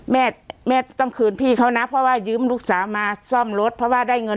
แม่แม่ต้องคืนพี่เขานะเพราะว่ายืมลูกสาวมาซ่อมรถเพราะว่าได้เงิน